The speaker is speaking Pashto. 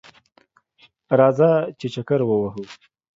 راځه ! چې چکر ووهو